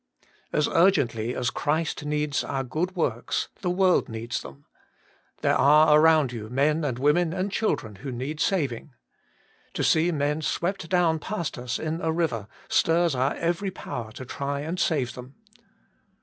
As urgently as Christ needs our good works the world needs them. There are around you men and women and children who need saving. To see men swept down past us in a river, stirs our every power to try and save them.